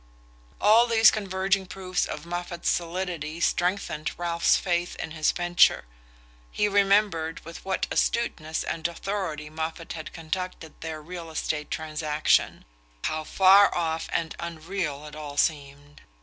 All these converging proofs of Moffatt's solidity strengthened Ralph's faith in his venture. He remembered with what astuteness and authority Moffatt had conducted their real estate transaction how far off and unreal it all seemed!